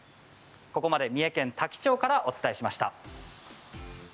ここまで三重県多気町からお伝えしました。